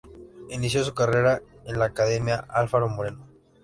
Inicio su carrera en la Academia Alfaro Moreno.